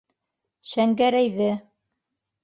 Шәңгәрәйҙе...